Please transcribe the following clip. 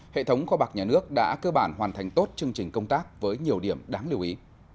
hệ thống kho bạc nhà nước đã cơ bản hoàn thành tốt chương trình công tác với nhiều điểm đáng lưu ý